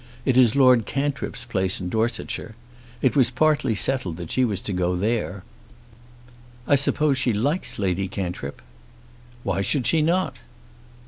"It is Lord Cantrip's place in Dorsetshire. It was partly settled that she was to go there." "I suppose she likes Lady Cantrip." "Why should she not?"